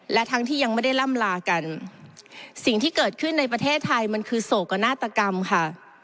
และทั้งที่ยังไม่ได้ล่ำลากันสิ่งที่เกิดขึ้นในประเทศไทยมันคือโศกนาฏกรรมค่ะ